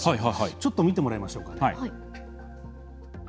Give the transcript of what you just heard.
ちょっと見てもらいましょうか。